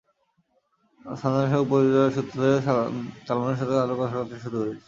সানজানার সঙ্গে পরিচয়ের সূত্র ধরেই সালমানের সঙ্গে আমার সাক্ষাতের সুযোগ হয়েছে।